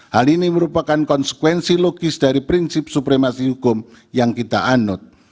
hal ini merupakan konsekuensi logis dari prinsip supremasi hukum yang kita anut